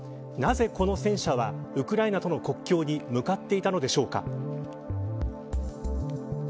なぜ、この戦車はウクライナとの国境に向かっていたのでしょうか。